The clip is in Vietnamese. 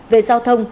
về giao thông